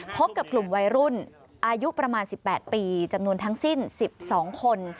พบกับกลุ่มวัยรุ่นอายุประมาณ๑๘ปีจำนวนทั้งสิ้น๑๒คน